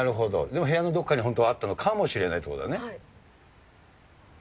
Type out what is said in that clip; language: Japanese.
でも部屋のどこかに本当はあったのかもしれないということだね。